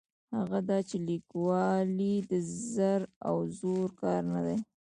هغه دا چې لیکوالي د زر او زور کار نه دی.